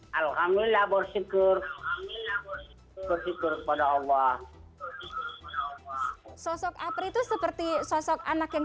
hai alhamdulillah bersyukur bersyukur kepada allah sosok apri itu seperti sosok anak yang